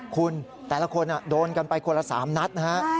คุณแต่ละคนโดนกันไปคนละ๓นัดนะฮะ